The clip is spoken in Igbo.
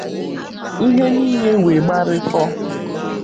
ihe niile wee gbarikọọ.